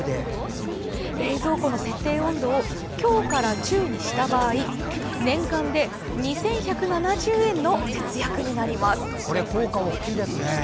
冷蔵庫の設定温度を強から中にした場合年間で２１７０円の節約になります。